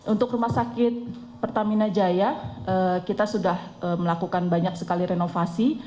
untuk rumah sakit pertamina jaya kita sudah melakukan banyak sekali renovasi